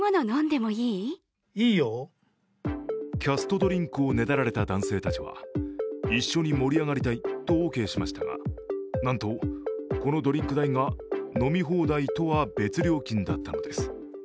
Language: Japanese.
キャストドリンクをねだられた男性たちは一緒に盛り上がりたいとオーケーしましたがなんとこのドリンク代が飲み放題とは別料金だったのです。